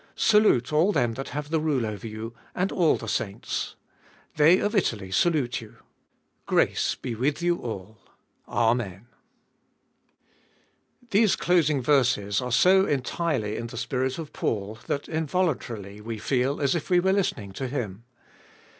Salute all them that have the rule over you, and all the saints. They of Italy salute you. 25. Grace be with you all. Amen. THESE closing verses are so entirely in the spirit of Paul, that involuntarily we feel as if we were listening to him.